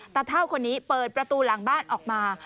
เท่าคนนี้เปิดประตูหลังบ้านออกมา